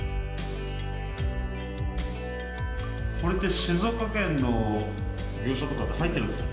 これって静岡県の業者とかって入ってるんですか？